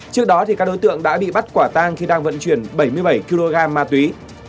trước đó các đối tượng đã bị bắt quả tang khi đang vận chuyển bảy mươi bảy kg ma túy